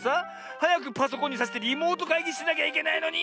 はやくパソコンにさしてリモートかいぎしなきゃいけないのに！